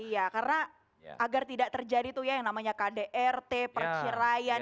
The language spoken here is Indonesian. iya karena agar tidak terjadi tuh ya yang namanya kdrt perceraian